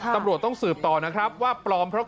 ตำรวจต้องสืบต่อนะครับว่า